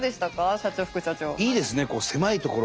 社長副社長。